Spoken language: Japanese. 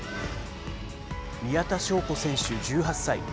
宮田笙子選手１８歳。